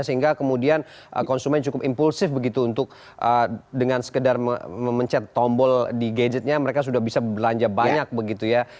sehingga kemudian konsumen cukup impulsif begitu untuk dengan sekedar memencet tombol di gadgetnya mereka sudah bisa belanja banyak begitu ya